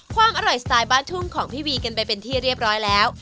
ความอร่อยสไตล์บ้านทุ่งของพี่วีกันไปเป็นที่เรียบร้อยแล้ว